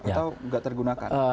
atau tidak tergunakan